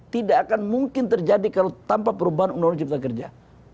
tidak akan mungkin terjadi kalau tanpa perubahan undang undang cipta kerja